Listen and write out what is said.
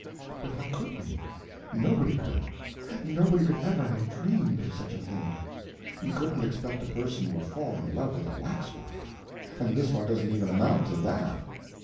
But how could we? Nobody could; nobody could ever have dreamed of such a thing. You couldn't expect a person would fall in love with a wax work. And this one doesn't even amount to that."